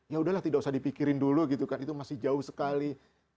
ya udahlah tidak usah dipikirin dulu gitu kan itu masih jauh sekali